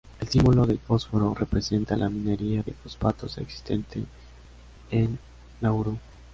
El símbolo del fósforo representa la minería de fosfatos existente en Nauru.